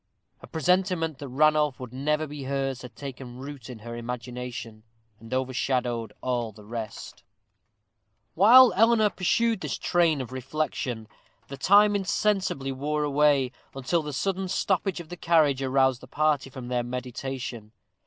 A presentiment that Ranulph would never be hers had taken root in her imagination, and overshadowed all the rest. While Eleanor pursued this train of reflection, the time insensibly wore away, until the sudden stoppage of the carriage aroused the party from their meditation.